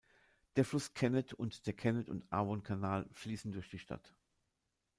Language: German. Der Fluss Kennet und der Kennet-und-Avon-Kanal fließen durch die Stadt.